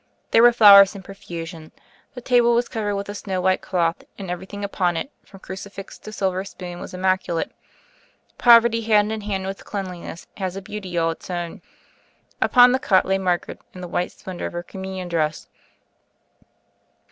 There were flowers in profusion. The table was covered with a snow white cloth, and everything upon it, from crucifix to silver spoon, was immaculate. Poverty, hand in hand with cleanliness, has a beauty all its own. Upon the cot lay Margaret, in the white splendor of her Communion dress.